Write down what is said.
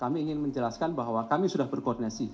kami ingin menjelaskan bahwa kami sudah berkoordinasi